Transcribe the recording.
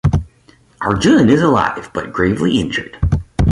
Arjun is alive but gravely injured.